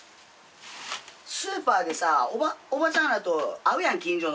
スーパーでさおばちゃんらと会うやん近所の。